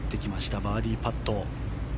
バーディーパット。